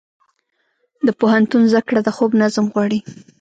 د پوهنتون زده کړه د خوب نظم غواړي.